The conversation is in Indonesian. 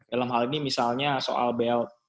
dalam hal ini misalnya soal belt